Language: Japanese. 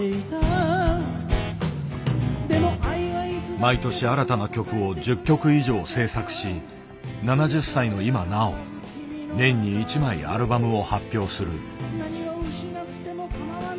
毎年新たな曲を１０曲以上制作し７０歳の今なお年に１枚アルバムを発表する。